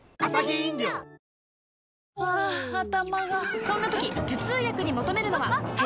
ハァ頭がそんな時頭痛薬に求めるのは？